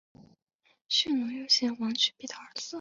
匈奴右贤王去卑的儿子。